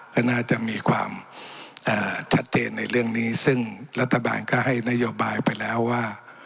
ก็น่าจะมีความชัดเจนในเรื่องนี้ซึ่งรัฐบาลก็ให้นโยบายไปแล้วว่า